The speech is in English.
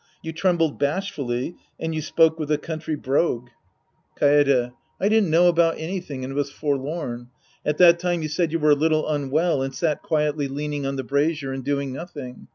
You trembled bashfully, and you spoke with a country brogue. 170 The Priest and His Disciples Act IV Kaede. I didn't know about anything and was forlorn. At that time you said you were a little unwell and sat quietly leaning on the brazier and doing nothing.